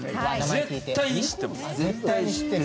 絶対に知ってる。